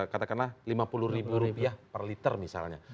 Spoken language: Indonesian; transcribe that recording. katakanlah lima puluh ribu rupiah per liter misalnya